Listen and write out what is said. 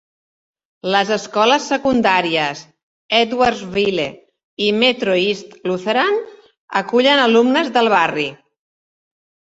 Les escoles secundàries Edwardsville i Metro-East Lutheran acullen alumnes del barri.